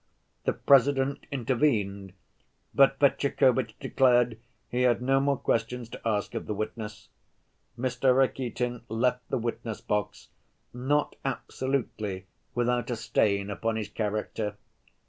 The President intervened, but Fetyukovitch declared he had no more questions to ask of the witness. Mr. Rakitin left the witness‐box not absolutely without a stain upon his character.